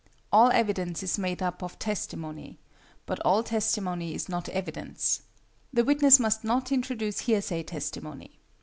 All evidence is made up of testimony, but all testimony is not evidence. The witness must not introduce hearsay testimony.